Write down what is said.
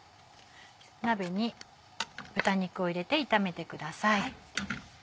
鍋に豚肉を入れて炒めてください。